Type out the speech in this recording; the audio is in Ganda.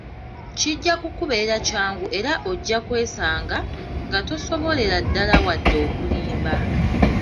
Kijja kukubeerera kyangu era ojja kwesanga nga tosobolera ddala wadde okulimba.